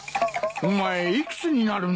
お前幾つになるんだ。